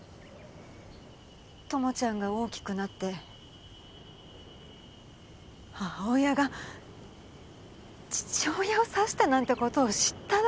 友ちゃんが大きくなって母親が父親を刺したなんて事を知ったら。